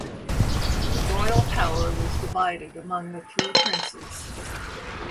The royal power was divided among the three princes.